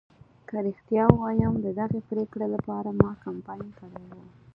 که رښتیا ووایم ددغې پرېکړې لپاره ما کمپاین کړی و.